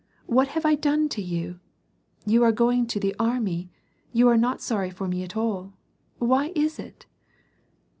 What have I done to you ? You are going to the armv, you are not sorry for me at all. Why is it